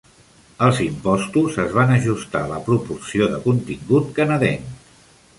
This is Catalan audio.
Els impostos es van ajustar a la proporció de contingut canadenc.